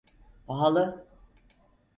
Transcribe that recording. Pahalı…